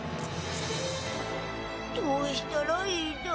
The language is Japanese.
どうしたらいいだ。